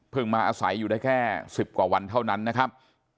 มาอาศัยอยู่ได้แค่๑๐กว่าวันเท่านั้นนะครับ